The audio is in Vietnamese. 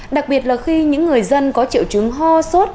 đặc biệt là khi những người dân có triệu chứng ho sốt